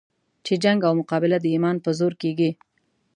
چې جنګ او مقابله د ایمان په زور کېږي.